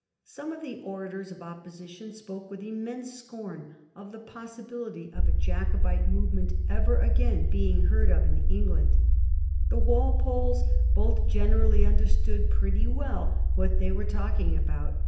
Some of the orators of Opposition spoke with inmiense scorn of the possibility of a Jacobite movement ever again being heard of in England. The Walpoles both generally understood pretty well what they were talking about.